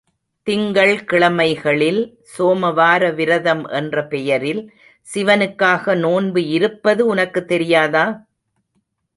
திங்கள் கிழமைகளில் சோம வார விரதம் என்ற பெயரில் சிவனுக்காக நோன்பு இருப்பது உனக்குத் தெரியாதா?